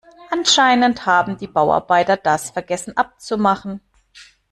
Anscheinend haben die Bauarbeiter das vergessen abzumachen.